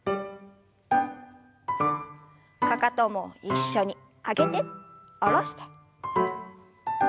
かかとも一緒に上げて下ろして。